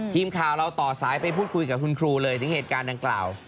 ทีมข่าวเราต่อสายไปพูดคุยกับคุณครูเลยถึงเหตุการณ์ดังกล่าว